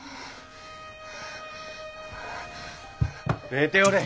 寝ておれ。